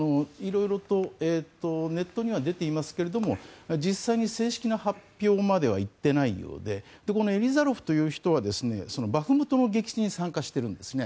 色々とネットには出ていますけれども実際に正式な発表までは行っていないようでこのエリザロフという人はバフムトの激戦に参加しているんですね。